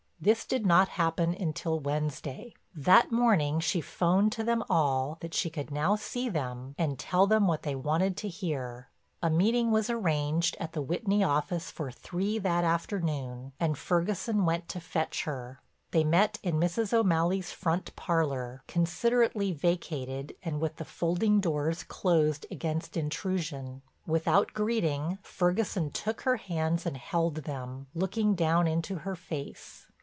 This did not happen until Wednesday. That morning she 'phoned to them all that she could now see them and tell them what they wanted to hear. A meeting was arranged at the Whitney office for three that afternoon and Ferguson went to fetch her. They met in Mrs. O'Malley's front parlor, considerately vacated and with the folding doors closed against intrusion. Without greeting Ferguson took her hands and held them, looking down into her face.